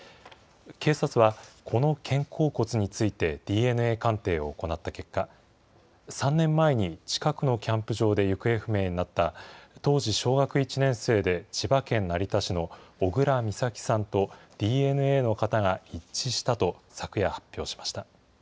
警察は、この肩甲骨についてＤＮＡ鑑定を行った結果、３年前に近くのキャンプ場で行方不明になった当時小学１年生で千葉県成田市の小倉美咲さんと、ＤＮＡの型が一致したと、昨夜、発表しました。